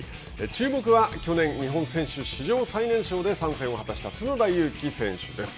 注目は去年日本選手史上最年少で参戦を果たした角田裕毅選手です。